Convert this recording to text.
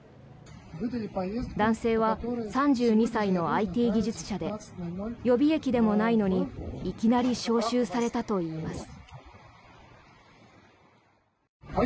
男性は３２歳のＩＴ技術者で予備役でもないのにいきなり招集されたといいます。